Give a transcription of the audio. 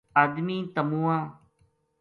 ادمی تمواں